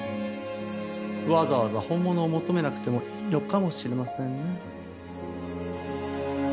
わざわざ本物を求めなくてもいいのかもしれませんね。